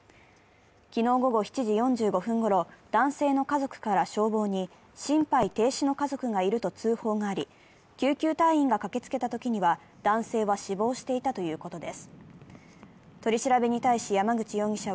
昨日午後７時４５分ごろ、男性の家族から消防に心肺停止の家族がいると通報があり救急隊員が駆けつけたときには男性は死亡していたということです。